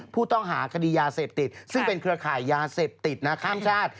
ผู้ต้องหาคดียาเสพติดซึ่งเป็นเครือข่ายยาเสพติดนะข้ามชาติ